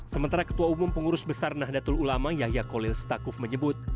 sementara ketua umum pengurus besar nahdlatul ulama yahya kolil stakuf menyebut